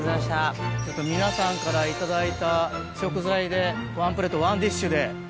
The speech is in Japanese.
ちょっと皆さんから頂いた食材でワンプレートワンディッシュで。